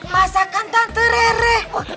masakan tante rere